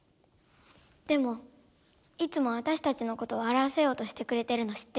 でもいつもわたしたちのことをわらわせようとしてくれてるの知ってる。